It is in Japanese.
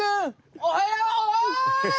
おはよい！